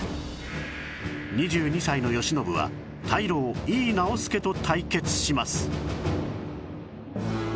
２２歳の慶喜は大老井伊直弼と対決します